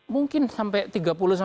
mungkin sampai tiga puluh